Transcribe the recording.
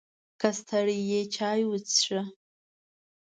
که ستړی یې، چای وڅښه!